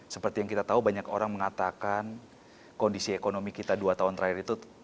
seperti yang kita tahu banyak orang mengatakan kondisi ekonomi kita dua tahun terakhir itu